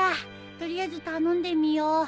取りあえず頼んでみよう。